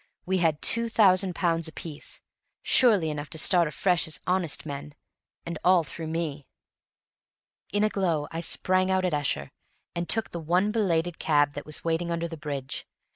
We had two thousand pounds apiece surely enough to start afresh as honest men and all through me! In a glow I sprang out at Esher, and took the one belated cab that was waiting under the bridge.